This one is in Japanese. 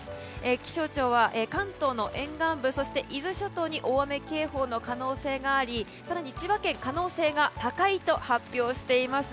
気象庁は、関東の沿岸部そして伊豆諸島に大雨警報の可能性があり更に、千葉県に可能性が高いと発表しています。